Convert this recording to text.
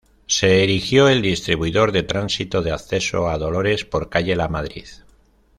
Se erigió el Distribuidor de Tránsito de Acceso a Dolores por calle Lamadrid.